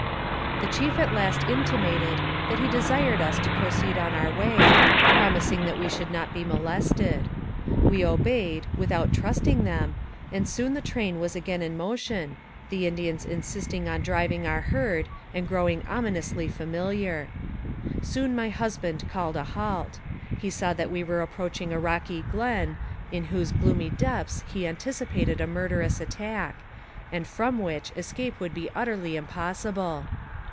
The chief at last intimated that he desired us to pro ceed on our way, promising that we should not be molested. We obeyed, without trusting them, and soon the train was again in motion, the Indians insist ing on driving our herd, and growing ominously familiar. Soon my husband called a halt. He saw that we were approaching a rocky glen, in whose gloomy depths he anticipated a murderous attack, and from which escape would be utterly impossible.